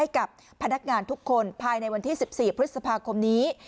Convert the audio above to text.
กับพนักงานทุกคนภายในวันที่๑๔พฤษภาคมนี้